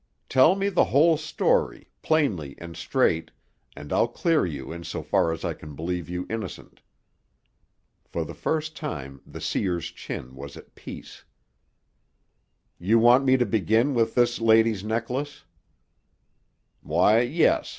Tell me the whole story, plainly and straight, and I'll clear you in so far as I can believe you innocent." For the first time the seer's chin was at peace. "You want me to begin with this lady's necklace?" "Why, yes.